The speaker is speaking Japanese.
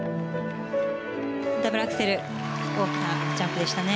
ダブルアクセル大きなジャンプでしたね。